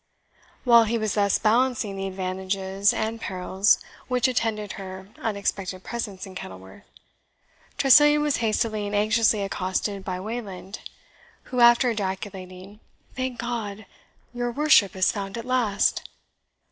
While he was thus balancing the advantages and perils which attended her unexpected presence in Kenilworth, Tressilian was hastily and anxiously accosted by Wayland, who, after ejaculating, "Thank God, your worship is found at last!"